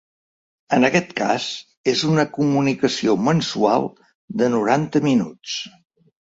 En aquest cas, és una comunicació mensual de noranta minuts.